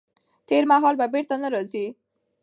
تېر مهال به بیرته نه راځي.